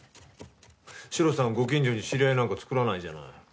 シロさんご近所に知り合いなんか作らないじゃない。